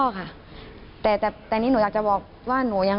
เขาไม่ใช่ญาติหนูค่ะ